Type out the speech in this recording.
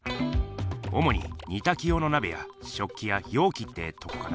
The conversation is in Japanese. おもに煮炊き用のなべや食器や容器ってとこかな。